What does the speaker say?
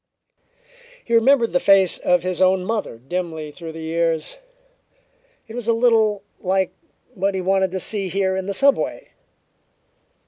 He remembered the face of his own mother dimly through the years; it was a little like what he wanted to see here in the subway.